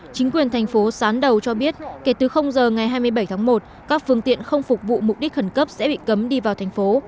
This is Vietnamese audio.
chính quyền thành phố sán đầu cho biết kể từ giờ ngày hai mươi bảy tháng một các phương tiện không phục vụ mục đích khẩn cấp sẽ bị cấm đi vào thành phố